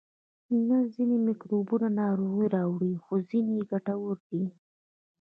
نه ځینې میکروبونه ناروغي راوړي خو ځینې یې ګټور دي